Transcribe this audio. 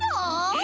え！？